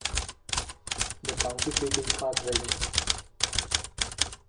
The county seat is Carthage.